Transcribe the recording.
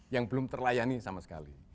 yang belum terlayani sama sekali